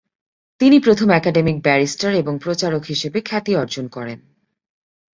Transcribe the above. তিনি প্রথম academic, barrister এবং প্রচারক হিসাবে খ্যাতি অর্জন করেন।